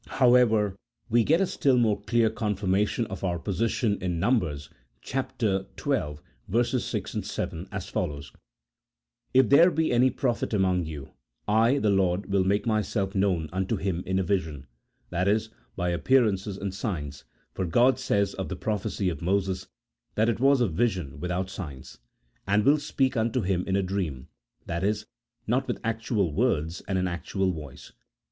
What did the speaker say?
However, we get a still more clear confirmation of our position in Num. xii. 6, 7, as follows :" If there be any prophet among you, I the Lord will make myself known unto him in a vision" (i.e. by appearances and signs, for God says of the prophecy of Moses that it was a vision without signs), " and will speak unto him in a dream " (i.e. not with actual words and an actual voice).